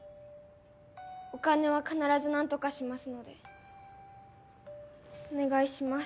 お金は必ず何とかしますのでお願いします。